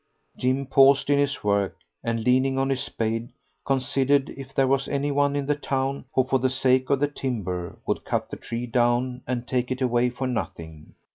Jim paused in his work, and, leaning on his spade, considered if there was any one in the town, who, for the sake of the timber, would cut the tree down and take it away for nothing.